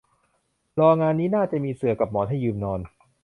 รอนานงี้น่าจะมีเสื่อกับหมอนให้ยืมนอน